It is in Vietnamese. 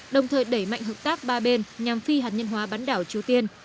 đồng thời đẩy mạnh hợp tác ba bên nhằm phi hạt nhân hóa bán đảo triều tiên